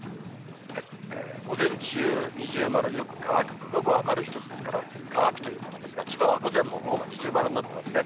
午前中二重丸、よく乾く、午後は丸１つですから、乾くということですが、千葉は午前も午後も二重丸になってますね。